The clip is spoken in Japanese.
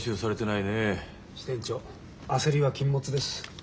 支店長焦りは禁物です。